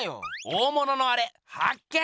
大物のアレ発見！